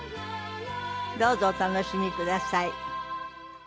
どうぞお楽しみください。